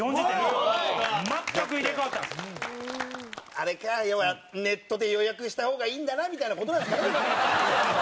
あれか、要はネットで予約した方がいいんだなみたいな事なんですね。